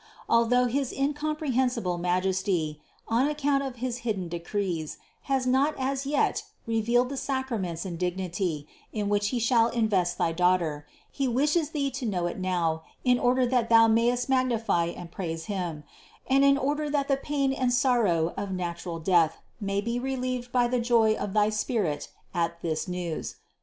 Although his incomprehensible Ma jesty, on account of his hidden decrees, has not as yet revealed the sacraments and dignity, in which He shall invest thy Daughter, He wishes thee to know it now in order that thou mayest magnify and praise Him, and in order that the pain and sorrow of natural death may be relieved by the joy of thy spirit at this news.